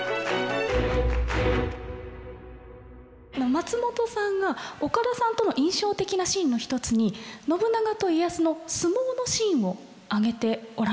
松本さんが岡田さんとの印象的なシーンの一つに信長と家康の相撲のシーンを挙げておられました。